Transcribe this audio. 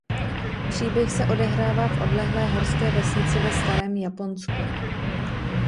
Příběh se odehrává v odlehlé horské vesnici ve starém Japonsku.